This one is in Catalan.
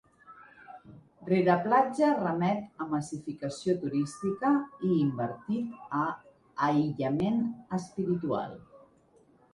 Rere Platja remet a massificació turística i invertit a aïllament espiritual.